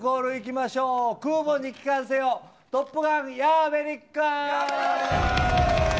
空母に帰還せよトップガンヤーベリック。